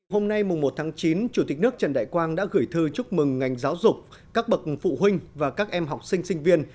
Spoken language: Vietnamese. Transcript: hôm nay mùng một tháng chín chủ tịch nước trần đại quang đã gửi thư chúc mừng ngành giáo dục các bậc phụ huynh và các em học sinh sinh viên